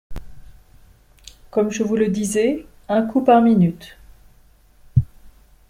Comme je vous le disais, un coup par minute.